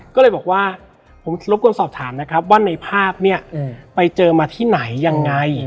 ก็เลยบอกว่าผมรบกวนสอบถามนะครับว่าในภาพเนี่ยไปเจอมาที่ไหนยังไง